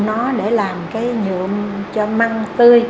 nó để làm cái nhuộm cho măng tươi